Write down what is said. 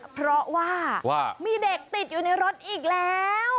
เพราะว่ามีเด็กติดอยู่ในรถอีกแล้ว